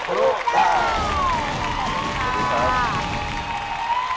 ขอบคุณครับ